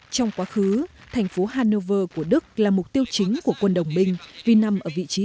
trong quá khứ thành phố hannover của đức là mục tiêu chính của quân đồng binh vì nằm ở vị trí